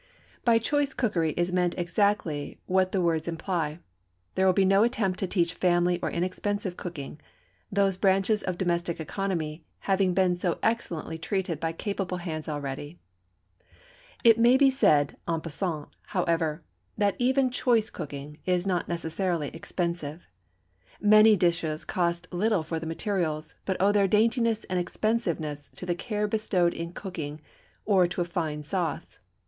By choice cookery is meant exactly what the words imply. There will be no attempt to teach family or inexpensive cooking, those branches of domestic economy having been so excellently treated by capable hands already. It may be said en passant, however, that even choice cooking is not necessarily expensive. Many dishes cost little for the materials, but owe their daintiness and expensiveness to the care bestowed in cooking or to a fine sauce.